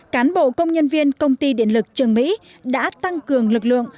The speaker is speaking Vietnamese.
cán bộ công nhân viên công ty điện lực trường mỹ đã tăng cường lực lượng